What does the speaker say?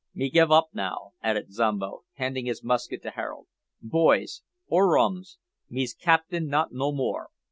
Me giv' up now," added Zombo, handing his musket to Harold. "Boys! orrer ums! mees Capitin not no more.